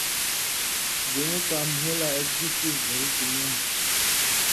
زُمُکاں مھو لا اېک گی څیز دھری تُھو نَیں۔